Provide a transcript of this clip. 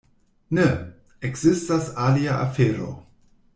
Ne: ekzistas alia afero.